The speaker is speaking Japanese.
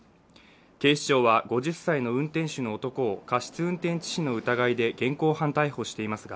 警視庁は５０歳の運転手の男を過失運転致死の疑いで現行犯逮捕していますが、